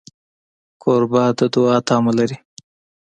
کوربه د دوعا تمه لري.